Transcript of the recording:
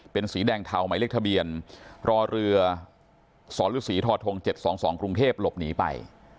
เป็นสีแดงเทาหมายเลขทะเบียนรอเรือสรศรีทธ๗๒๒กรุงเทพหลบหนีไป